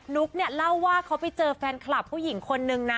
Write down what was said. ุ๊กเนี่ยเล่าว่าเขาไปเจอแฟนคลับผู้หญิงคนนึงนะ